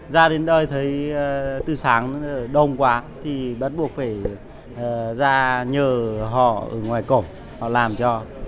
ra đến đây thấy từ sáng đồng quá thì bắt buộc phải ra nhờ họ ở ngoài cổng họ làm cho